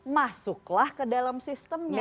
masuklah ke dalam sistemnya